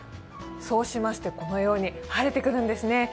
そうしましてこのように晴れてくるんですね。